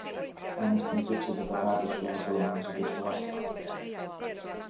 Äänestin siksi tätä päätöslauselmaesitystä vastaan.